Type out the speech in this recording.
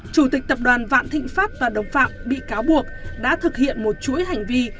chủ tịch tập đoàn vạn thịnh pháp và đồng phạm bị cáo buộc đã thực hiện một chuỗi hành vi